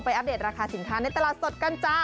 อัปเดตราคาสินค้าในตลาดสดกันจ้า